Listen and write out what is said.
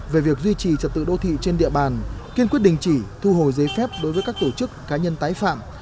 về việc duy trì trật tự đô thị trên địa bàn kiên quyết đình chỉ thu hồi giấy phép đối với các tổ chức cá nhân tái phạm